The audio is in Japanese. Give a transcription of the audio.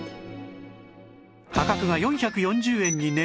価格が４４０円に値下がり